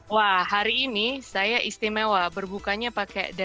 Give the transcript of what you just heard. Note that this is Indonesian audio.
wah hari ini saya istimewa berbukanya pakai daun